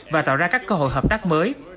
và tạo ra các cơ hội hợp tác mới